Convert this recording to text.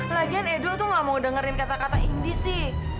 lagian edo tuh gak mau dengerin kata kata indi sih